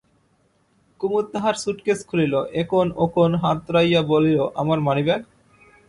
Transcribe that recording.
কুমুদ তাহার সুটকেস খুলিল, একোণ ওকোণ হাতড়াইয়া বলিল, আমার মানিব্যাগ?